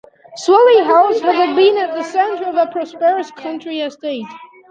Swilly House had been at the centre of a prosperous country estate.